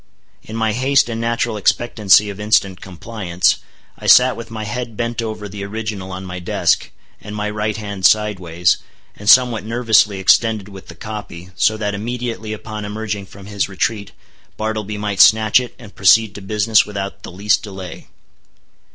In my haste and natural expectancy of instant compliance, I sat with my head bent over the original on my desk, and my right hand sideways, and somewhat nervously extended with the copy, so that immediately upon emerging from his retreat, Bartleby might snatch it and proceed to business without the least delay.